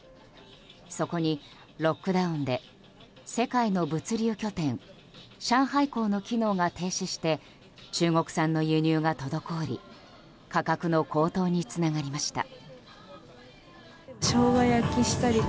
そこにロックダウンで世界の物流拠点上海港の機能が停止して中国産の輸入が滞り価格の高騰につながりました。